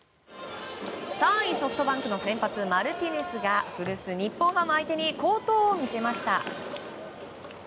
３位ソフトバンクの先発マルティネスが古巣・日本ハム相手に好投を見せました。